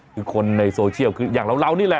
คือคนในโซเชียลคืออย่างเรานี่แหละ